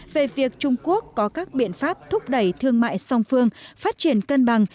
về việc trung quốc có các biện pháp thúc đẩy thương mại song phương phát triển cân bằng